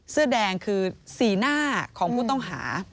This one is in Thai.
เสื้อแดงคือสีหน้าของผู้ต้องหา